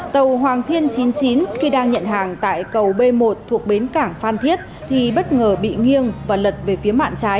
tàu hoàng thiên chín khi đang nhận hàng tại cầu b một thuộc bến cảng phan thiết thì bất ngờ bị nghiêng và lật về phía mạng trái